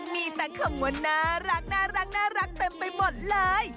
มีแต่คำว่าน่ารักน่ารักน่ารักเต็มไปหมดเลย